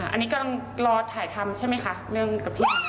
อันนี้กำลังรอถ่ายทำใช่ไหมคะเรื่องกับพี่อัด